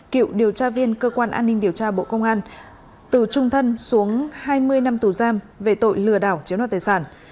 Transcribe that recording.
cựu điều tra viên cơ quan an ninh điều tra bộ công an từ trung thân xuống hai mươi năm tù giam về tội lừa đảo chiếu đoạt tài sản